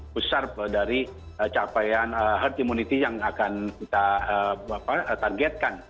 besar dari capaian herd immunity yang akan kita targetkan